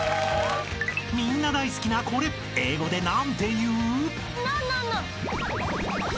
［みんな大好きなこれ英語で何て言う？］